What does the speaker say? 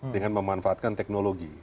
dengan memanfaatkan teknologi